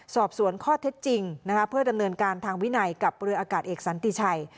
สอบสวนข้อเท็จจริงเพื่อดำเนินการทางวินัยกับเรืออากาศเอกสันติชัย